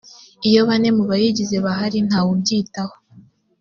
iyo bane mu bayigize bahari ntawe ubyitaho